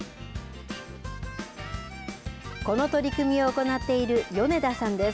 この取り組みを行っている米田さんです。